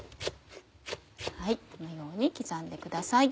このように刻んでください。